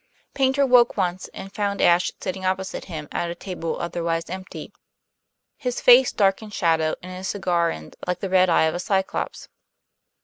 Paynter woke once, and found Ashe sitting opposite him at a table otherwise empty; his face dark in shadow and his cigar end like the red eye of a Cyclops.